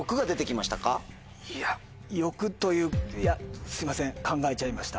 いや欲といういやすいません考えちゃいました。